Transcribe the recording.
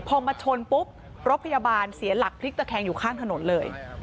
พอมาชนปุ๊บรถพยาบาลเสียหลักพลิกตะแคงอยู่ข้างถนนเลย